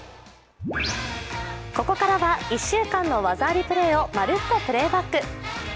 ここからは１週間の技ありプレーをまるっとプレーバック。